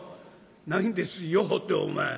「ないんですよってお前